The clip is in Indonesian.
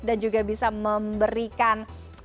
dan juga bisa memberikan